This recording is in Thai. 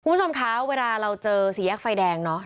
คุณผู้ชมคะเวลาเราเจอสี่แยกไฟแดงเนอะ